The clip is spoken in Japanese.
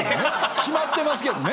決まってますけどね。